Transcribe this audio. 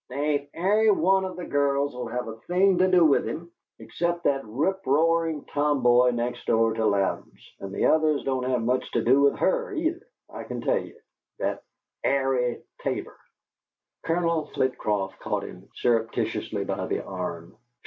There ain't ary one of the girls 'll have a thing to do with him, except that rip rarin' tom boy next door to Louden's; and the others don't have much to do with HER, neither, I can tell ye. That Arie Tabor " Colonel Flitcroft caught him surreptitiously by the arm.